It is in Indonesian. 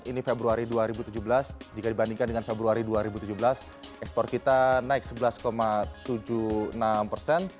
ini februari dua ribu tujuh belas jika dibandingkan dengan februari dua ribu tujuh belas ekspor kita naik sebelas tujuh puluh enam persen